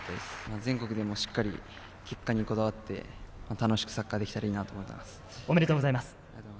全国でもしっかり結果にこだわって楽しくサッカーができたらいいと思います。